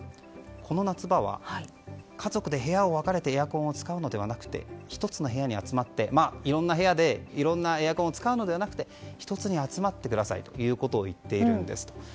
この夏場は家族で部屋を分かれてエアコンを使うのではなくて１つの部屋に集まっていろんな部屋でいろんなエアコンを使うのではなくて１つに集まってくださいということを言っているんです。